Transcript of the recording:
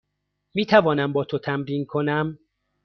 می توانم با تو تمرین کنم؟